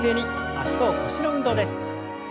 脚と腰の運動です。